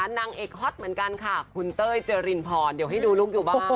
นางเอกฮอตเหมือนกันค่ะคุณเต้ยเจรินพรเดี๋ยวให้ดูลูกอยู่บ้าง